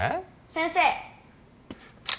先生。